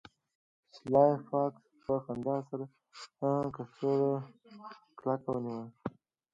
سلای فاکس په خندا سره کڅوړه کلکه ونیوله